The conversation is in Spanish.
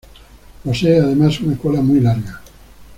Posee, además, una cola muy larga.